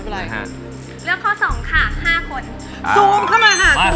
แล้วข้อ๒ค่ะ๕คน